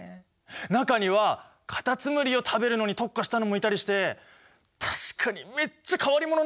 中にはカタツムリを食べるのに特化したのもいたりして確かにめっちゃ変わり者なんだなって。